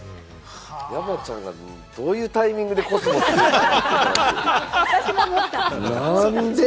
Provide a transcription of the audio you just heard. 山ちゃんがどういうタイミングでコスモス植えたんか？